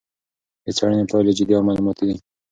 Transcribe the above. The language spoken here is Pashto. د څېړنې پایلې جدي او معلوماتي دي.